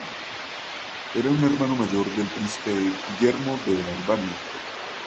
Era un hermano mayor del Príncipe Guillermo de Albania.